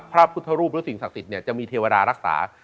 พระพุทธศูมิและสิ่งสักสิทธิเนี่ยจะมีเทวดารักษาร์